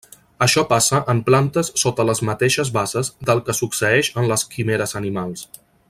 Això passa en plantes sota les mateixes bases del que succeeix en les quimeres animals.